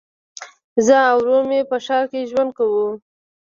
زه او ورور مي په ښار کي ژوند کوو.